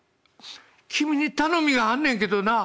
君に頼みがあんねんけどな」。